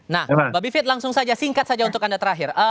nah mbak bivit langsung saja singkat saja untuk anda terakhir